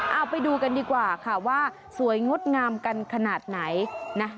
เอาไปดูกันดีกว่าค่ะว่าสวยงดงามกันขนาดไหนนะ